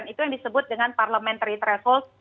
itu yang disebut dengan parliamentary threshold